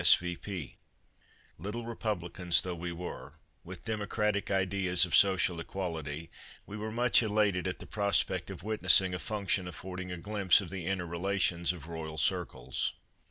S. V. P." Little republicans though we were, with democratic ideas of social equality, we were much elated at the prospect of witnessing a function affording a glimpse of the inner relations of royal circles.